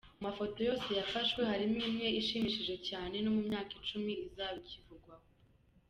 Mu mafoto yose yafashwe, harimo imwe ishimishije cyane no mu myaka icumi izaba ikivugwaho.